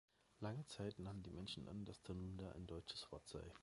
Lange Zeit nahmen die Menschen an, dass Tanunda ein deutsches Wort sei.